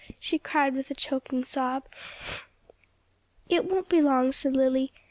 she cried with a choking sob. "It won't be long," said Lily.